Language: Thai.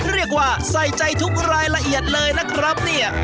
เรียกว่าใส่ใจทุกรายละเอียดเลยนะครับเนี่ย